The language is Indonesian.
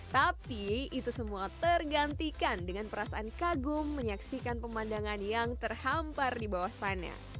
tapi itu semua tergantikan dengan perasaan kagum menyaksikan pemandangan yang terhampar di bawah sana